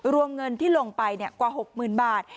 รวมเงินที่ลงไปกว่า๖๐๐๐บาท